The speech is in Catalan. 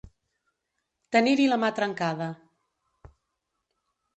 Tenir-hi la mà trencada.